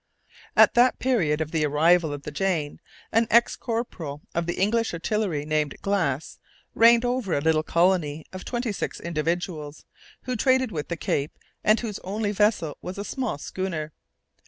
At the period of the arrival of the Jane, an ex corporal of the English artillery, named Glass, reigned over a little colony of twenty six individuals, who traded with the Cape, and whose only vessel was a small schooner.